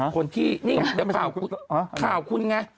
ก่อนที่เปล่าข่าวคุณไง